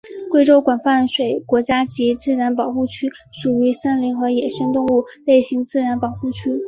贵州宽阔水国家级自然保护区属于森林和野生动物类型自然保护区。